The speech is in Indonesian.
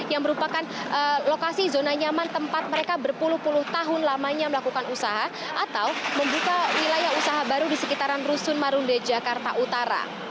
yang merupakan lokasi zona nyaman tempat mereka berpuluh puluh tahun lamanya melakukan usaha atau membuka wilayah usaha baru di sekitaran rusun marunda jakarta utara